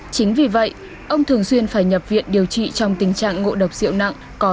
chính vì vậy ông thường xuyên phải nhập viện điều trị trong tình trạng ngộ độc rượu nặng có